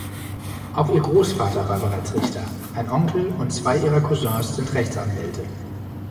Auch ihr Großvater war bereits Richter, ein Onkel und zwei ihrer Cousins sind Rechtsanwälte.